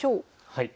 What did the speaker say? はい。